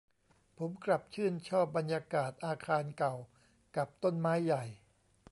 ผมกลับชื่นชอบบรรยากาศอาคารเก่ากับต้นไม้ใหญ่